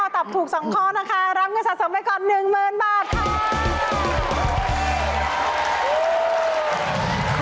ตอบถูก๒ข้อนะคะรับเงินสะสมไปก่อน๑๐๐๐บาทค่ะ